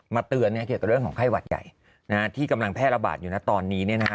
เตือนเกี่ยวกับเรื่องของไข้หวัดใหญ่ที่กำลังแพร่ระบาดอยู่นะตอนนี้